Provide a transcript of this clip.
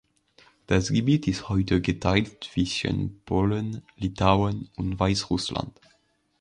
Das Gebiet ist heute geteilt zwischen Polen, Litauen und Weißrussland.